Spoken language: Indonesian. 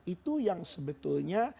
itu yang sebetulnya